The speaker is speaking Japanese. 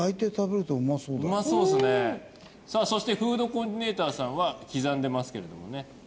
さあそしてフードコーディネーターさんは刻んでますけれどもね。